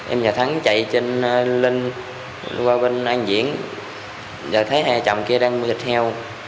em và thắng chạy lên qua bên an diễn thấy hai chồng kia đang mua thịt heo